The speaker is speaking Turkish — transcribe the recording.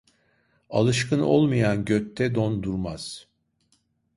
Alışkın olmayan götte don durmaz!